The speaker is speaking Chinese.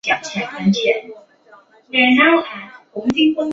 二硝基苯酚